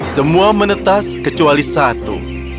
semua menetas kecuali satu